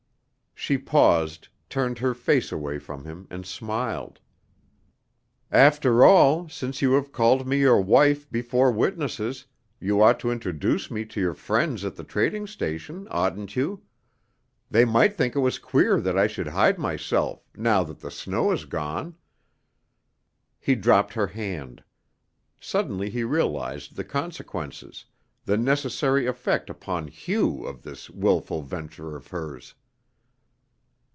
She paused, turned her face away from him and smiled. "After all, since you have called me your wife before witnesses, you ought to introduce me to your friends at the trading station, oughtn't you? They might think it was queer that I should hide myself, now that the snow has gone." He dropped her hand. Suddenly he realized the consequences, the necessary effect upon Hugh of this willful venture of hers.